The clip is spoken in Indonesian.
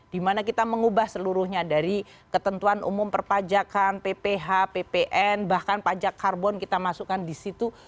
dimana kita mengubah seluruhnya dari ketentuan umum perpajakan pph ppn bahkan pajak karbon kita masukkan di situ